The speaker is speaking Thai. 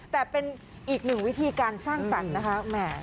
แต่เป็นอีกหนึ่งวิธีการสร้างสรรค์นะคะ